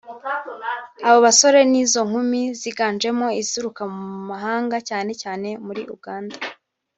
Abo basore n’izo nkumi ziganjemo izituruka mu mahanga cyane cyane muri Uganda